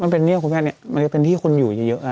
มันเป็นที่คุณแม่นี่มันเป็นที่คนอยู่เยอะอ่ะ